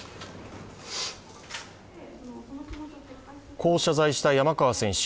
こう謝罪した山川選手。